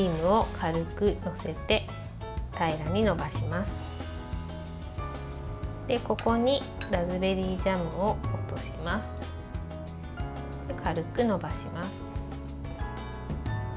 軽く伸ばします。